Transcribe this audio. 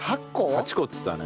８個っつったね。